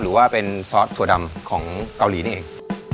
หรือว่าเป็นซอสถั่วดำของเกาหลีนี่เอง